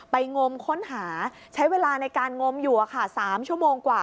งมค้นหาใช้เวลาในการงมอยู่๓ชั่วโมงกว่า